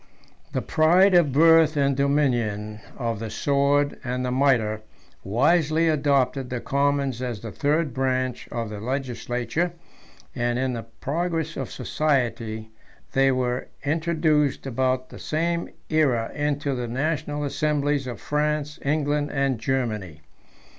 III. The pride of birth and dominion, of the sword and the mitre, wisely adopted the commons as the third branch of the legislature, and, in the progress of society, they were introduced about the same aera into the national assemblies of France England, and Germany.